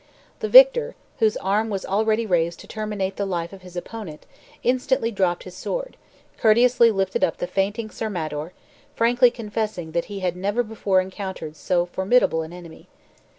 The victor, whose arm was already raised to terminate the life of his opponent, instantly dropped his sword, courteously lifted up the fainting Sir Mador, frankly confessing that he had never before encountered so formidable an enemy.